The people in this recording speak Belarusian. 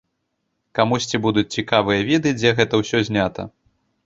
Камусьці будуць цікавыя віды, дзе гэта ўсё знята.